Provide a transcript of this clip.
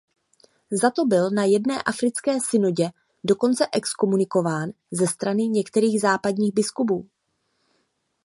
Za to byl na jedné africké synodě dokonce exkomunikován ze strany některých západních biskupů.